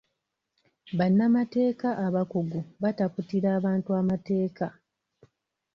Bannamateeka abakugu bataputira abantu amateeka.